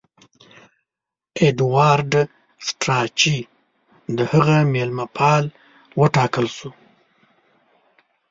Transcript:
ایډوارډ سټراچي د هغه مېلمه پال وټاکل سو.